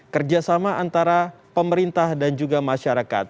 kerjasama antara pemerintah dan juga masyarakat